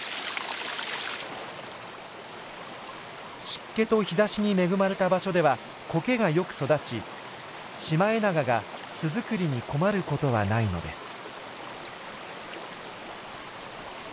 湿気と日ざしに恵まれた場所ではコケがよく育ちシマエナガが巣作りに困ることはないのです。